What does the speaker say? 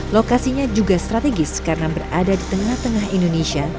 lokasinya juga strategis karena berada di tengah tengah indonesia